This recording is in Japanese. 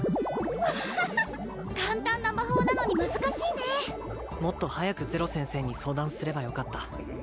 アッハハハ簡単な魔法なのに難しいねもっと早くゼロ先生に相談すればよかった